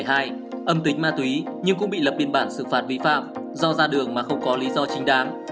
âm tính ma túy nhưng cũng bị lập biên bản xử phạt vi phạm do ra đường mà không có lý do chính đáng